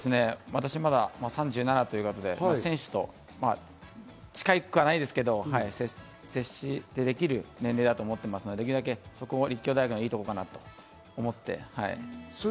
私まだ３７ということで、選手と近くはないですけど、接してできる年齢だと思ってますので、そこも立教大学のいいところかなと思ってます。